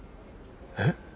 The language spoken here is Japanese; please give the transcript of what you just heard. えっ？